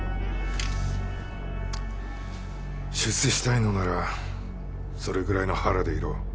出世したいのならそれくらいの腹でいろ。